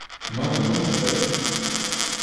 Maintenant je pêche.